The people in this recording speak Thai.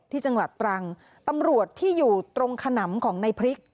ที่จังหวัดตรังตำรวจที่อยู่ตรงขนำของในพริก